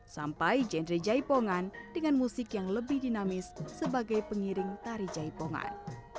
sampai genre jaipongan dengan musik yang lebih dinamis sebagai pengiring tari jaipongan